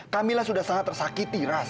kamila sudah sangat tersakiti ras